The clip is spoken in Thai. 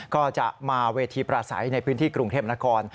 ก็จะมาเวทีประสัยในพื้นที่กรุงเทพนคร